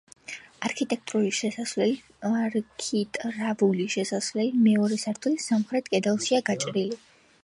არქიტრავული შესასვლელი მეორე სართულის სამხრეთ კედელშია გაჭრილი.